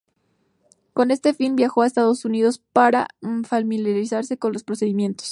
Con este fin viajó a Estados Unidos para familiarizarse con los procedimientos.